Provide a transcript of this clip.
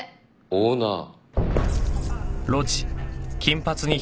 オーナー？